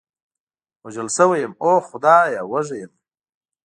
وژل شوی یم، اوه خدایه، وږی یم.